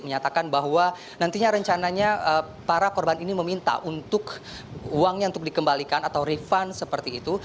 menyatakan bahwa nantinya rencananya para korban ini meminta untuk uangnya untuk dikembalikan atau refund seperti itu